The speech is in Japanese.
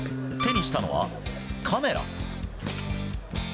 手にしたのは、カメラ。